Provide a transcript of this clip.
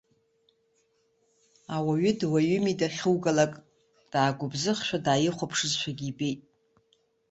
Ауаҩы дуаҩыми дахьугалак, даагәыбзыӷшәа дааихәаԥшызшәагьы ибеит.